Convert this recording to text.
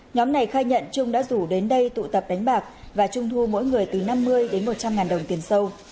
nhóm này khai nhận trung đã rủ đến đây tụ tập đánh bạc và trung thu mỗi người từ năm mươi đến một trăm linh ngàn đồng tiền sâu